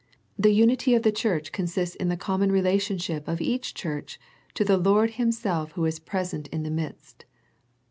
The unity of the j Church consists in the common relationship of : each church to the Lord Himself Who is present in the midst.